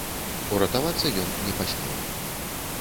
Уратавацца ён не паспеў.